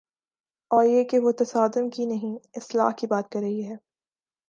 اوریہ کہ وہ تصادم کی نہیں، اصلاح کی بات کررہی ہے۔